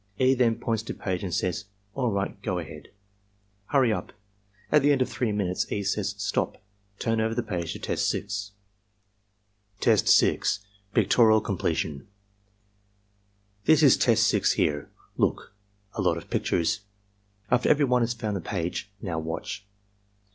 E. then points to page and says "All right. Go ahead. Hurry up!" At the end of 3 minutes, E, (§ays ''Stop, Turn over the page to Test 6f" . EXAMINER^S GUIDE 87 Test 6.— Pictorial Completioii "This is Test 6 Aere. Look. A lot of pictures.'' After every one has found the page, "Now watch."